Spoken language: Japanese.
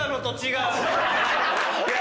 いや。